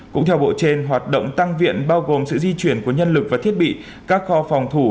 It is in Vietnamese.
cũng theo bộ trên hoạt động tăng viện bao gồm sự di chuyển của nhân lực và thiết bị các kho phòng thủ